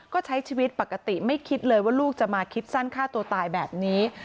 ก็ใช้ชีวิตปกติไม่คิดเลยว่าลูกจะมาคิดสั้นฆ่าตัวตายแบบนี้